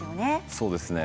そうですね。